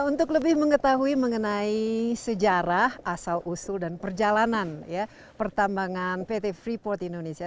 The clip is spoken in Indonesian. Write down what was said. untuk lebih mengetahui mengenai sejarah asal usul dan perjalanan pertambangan pt freeport indonesia